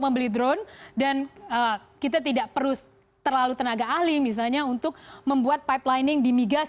membeli drone dan kita tidak perlu terlalu tenaga ahli misalnya untuk membuat pipelining di migas